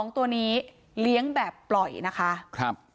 ๒ตัวนี้เลี้ยงแบบเปล่านะคะ